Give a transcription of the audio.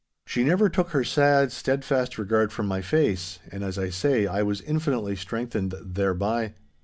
She never took her sad, steadfast regard from my face, and, as I say, I was infinitely strengthened thereby.